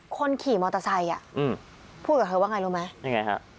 คนขี่มอเตอร์ไซค์พูดกับเธอก็ว่าไงรู้ไหม